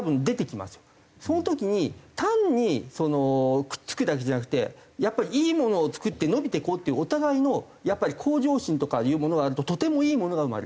その時に単にくっつくだけじゃなくてやっぱりいいものを作って伸びていこうっていうお互いのやっぱり向上心とかいうものがあるととてもいいものが生まれる。